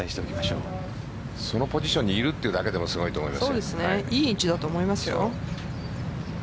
そのポジションにいるっていうだけでもいい位置だと思います。